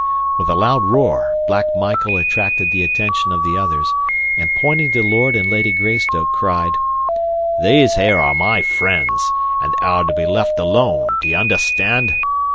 With a loud roar, Black Michael attracted the attention of the others, and, pointing to Lord and Lady Greystoke, cried: "These here are my friends, and they are to be left alone. D'ye understand?